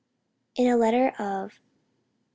In a letter of Dec.